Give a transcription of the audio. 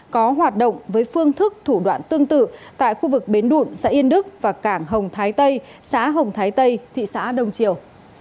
có hoạt động với phương thức thủ đoạn tương tự tại khu vực bến đụn xã yên đức và cảng hồng thái tây xã hồng thái tây thị xã đông triều